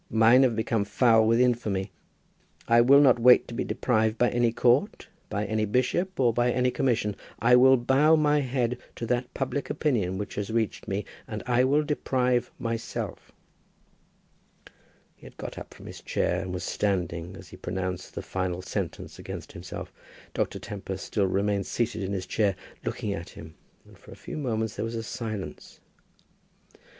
Mine have become foul with infamy. I will not wait to be deprived by any court, by any bishop, or by any commission. I will bow my head to that public opinion which has reached me, and I will deprive myself." He had got up from his chair, and was standing as he pronounced the final sentence against himself. Dr. Tempest still remained seated in his chair, looking at him, and for a few moments there was silence.